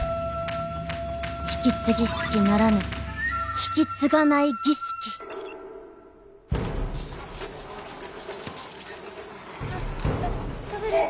引き継ぎ式ならぬ引き継がない儀式た食べる？